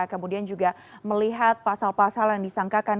kemudian juga melihat pasal pasal yang disangkakan